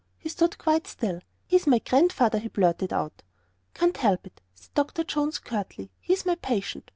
He stood quite still. "He's my Grandfather!" he blurted out. "Can't help it," said Dr. Jones, curtly; "he's my patient.